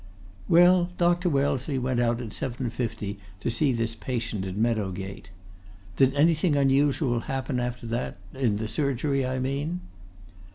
"Well, Dr. Wellesley went out at 7.50 to see this patient in Meadow Gate. Did anything unusual happen after that in the surgery, I mean?"